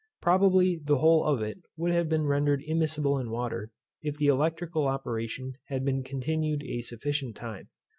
Probably the whole of it would have been rendered immiscible in water, if the electrical operation had been continued a sufficient time.